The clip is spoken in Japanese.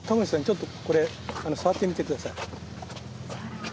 ちょっとこれ触ってみて下さい。